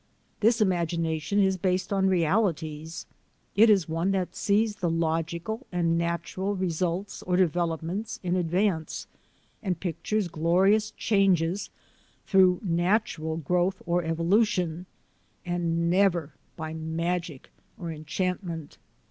This imagination is based on realities; it is one that sees the logical and natural results or developments in advance and pictures glorious changes through natural growth or evolution, and never by magic or enchantment.